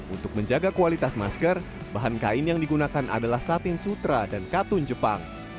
untuk menjaga kualitas masker bahan kain yang digunakan adalah satin sutra dan katun jepang